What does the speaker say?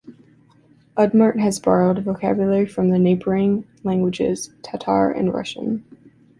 Udmurt has borrowed vocabulary from the neighboring languages Tatar and Russian.